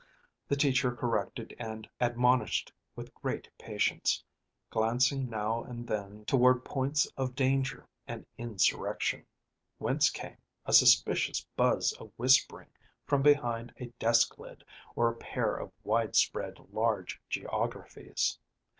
The teacher corrected and admonished with great patience, glancing now and then toward points of danger and insurrection, whence came a suspicious buzz of whispering from behind a desk lid or a pair of widespread large geographies.